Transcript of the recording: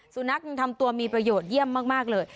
สุนัขยังทำตัวมีประโยชน์เยี่ยมมากเลย